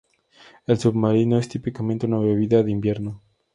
El submarino es típicamente una bebida de invierno.